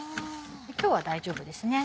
今日は大丈夫ですね。